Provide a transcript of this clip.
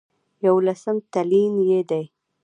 يوولسم تلين يې دی